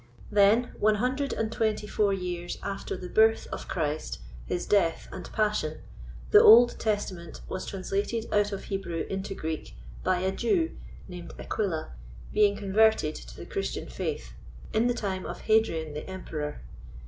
Then, one hundred and twenty four years after the birth of Christ, his death and passion, the Old Testament was translated out of Hebrew into Greek by a Jew, named Aquila (being converted to the Christian faith), in the time of Hadrian the Emperor.